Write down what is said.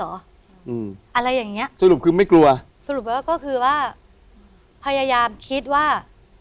อะไรอย่างเงี้ยสรุปคือไม่กลัวสรุปแล้วก็คือว่าพยายามคิดว่า